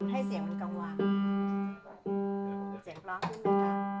ให้เสียงมันก่อนเสียงต่อพิมพ์เลยค่ะ